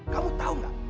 kamu tahu nggak